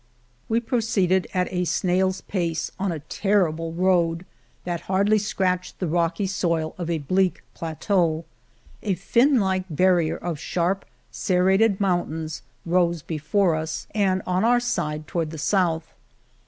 We proceeded at a snail's pace on a terri ble road, that hardly scratched the rocky soil of a bleak plateau. A fin4ike barrier of sharp, serrated mountains rose before us, and on our side toward the south.